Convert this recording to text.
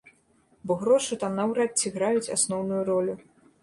Бо грошы там наўрад ці граюць асноўную ролю.